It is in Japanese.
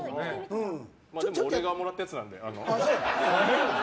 でも、俺がもらったやつなんで。